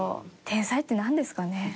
天才ってなんですかね？